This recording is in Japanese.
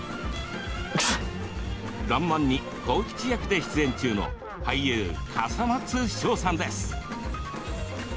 「らんまん」に幸吉役で出演中の俳優、笠松将さんです。